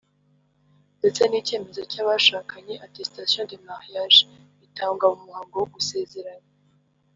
ndetse n’icyemezo cyabashakanye (attestation de mariage) bitangwa mu muhango wo gusezeranya